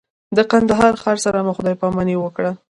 د کندهار ښار سره مو خدای پاماني وکړه.